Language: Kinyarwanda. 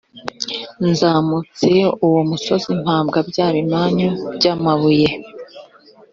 nzamutse uwo musozi mpabwa bya bimanyu by’amabuye,